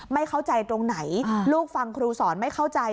ไม่เข้าใจตรงไหนลูกฟังครูสอนไม่เข้าใจ